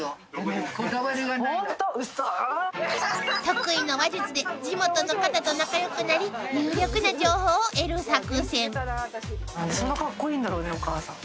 ［得意の話術で地元の方と仲良くなり有力な情報を得る作戦］